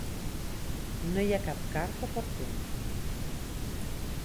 No hi ha cap carta per a tu!